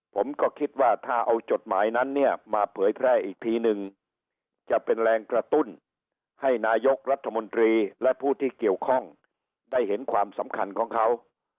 ผมก็คิดว่าถ้าเอาจดหมายนั้นเนี่ยมาเผยแพร่อีกทีนึงจะเป็นแรงกระตุ้นให้นายกรัฐมนตรีและผู้ที่เกี่ยวข้องได้เห็นความสำคัญของเขา